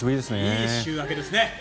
いい週明けですね。